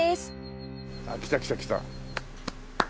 ああ来た来た来た。